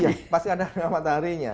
iya pas ada mataharinya